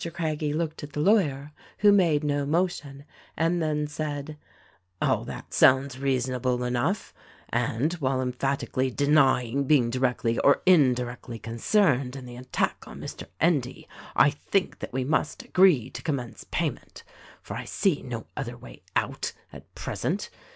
Craggie looked at the lawyer — who made no motion — and then said, "All that sounds reasonable enough, and while emphatically denying being directly or indirectly concerned in the attack on Mr. Endy I think that we must agree to commence payment, for I see no other way out, at present.